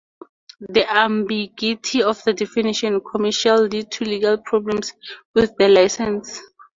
The ambiguity of the definition "commercial" lead to legal problems with the license.